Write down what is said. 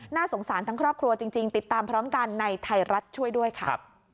สงสารทั้งครอบครัวจริงติดตามพร้อมกันในไทยรัฐช่วยด้วยค่ะ